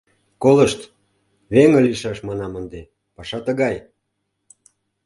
Колышт, веҥе лийшаш манам ынде, паша тыгай.